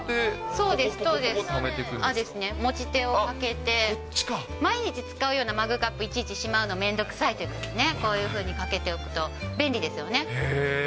そうですね、持ち手を掛けて、毎日使うようなマグカップ、いちいちしまうのめんどくさいときね、こういうふうに掛けておくと便利ですよね。